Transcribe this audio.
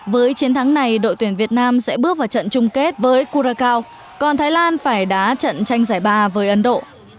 với chiến thắng này đội tuyển việt nam sẽ bước vào trận chung kết với kura cao còn thái lan phải đá trận tranh giải ba với ấn độ